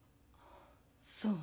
そう。